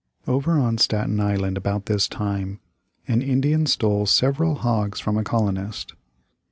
] Over on Staten Island about this time, an Indian stole several hogs from a colonist.